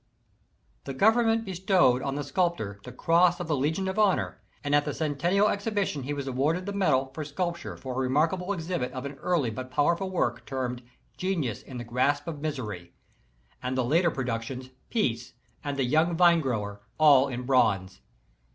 The Government bestowed on the sculptor the Cross of the Legion of Honor, and at the Centennial Exhibition he was awarded the medal for sculpture for a remarkable exhibit of an earlj but powerful work termed "Genius in the Grasp of Misery/' and the later productions, "Peace," and "The Young Vine Grower," all in bronze.